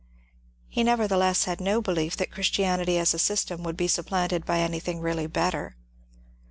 He neverthe less had no belief that Christianity as a system would be supplanted by anything really better.